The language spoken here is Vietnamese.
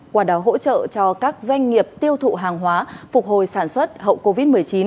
qua đó hỗ trợ cho các doanh nghiệp tiêu thụ hàng hóa phục hồi sản xuất hậu covid một mươi chín